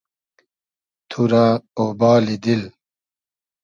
تو رۂ اۉبالی دیل